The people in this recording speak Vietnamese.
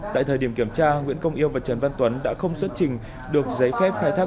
tại thời điểm kiểm tra nguyễn công yêu và trần văn tuấn đã không xuất trình được giấy phép khai thác